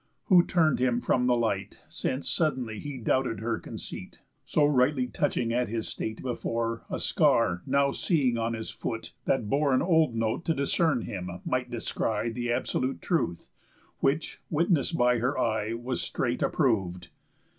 Who turn'd him from the light, Since suddenly he doubted her conceit, So rightly touching at his state before, A scar now seeing on his foot, that bore An old note, to discern him, might descry The absolute truth; which, witness'd by her eye, Was straight approv'd.